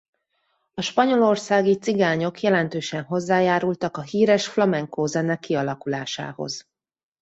A spanyolországi cigányok jelentősen hozzájárultak a híres flamenco zene kialakulásához.